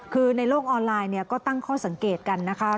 คือในโลกออนไลน์ก็ตั้งข้อสังเกตกันนะคะ